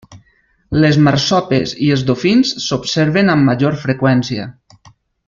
Les Marsopes i els dofins s'observen amb major freqüència.